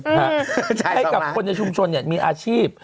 จ่าย๒ล้านบาทให้กับคนในชุมชนมีอาชีพ